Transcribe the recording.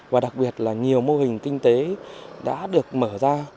và đặc biệt là nhiều mô hình kinh tế đã được mở ra